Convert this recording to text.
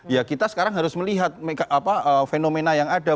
ya kita sekarang harus melihat fenomena yang ada